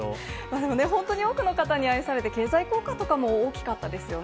でもね、本当に多くの方に愛されて、経済効果とかも大きかったですよね。